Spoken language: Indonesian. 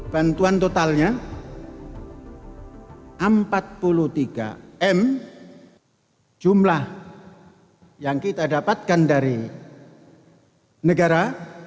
bantuan totalnya empat puluh tiga m jumlah yang kita dapatkan dari negara